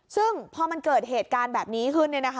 ซึ่งพอมันเกิดเหตุการณ์แบบนี้ขึ้น